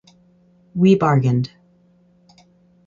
We bargained.